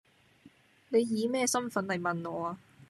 你以咩身份嚟問我呀？